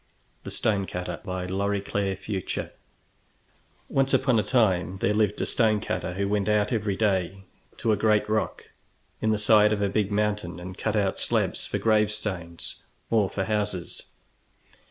THE STONE CUTTER Once upon a time there lived a stone cutter, who went every day to a great rock in the side of a big mountain and cut out slabs for gravestones or for houses.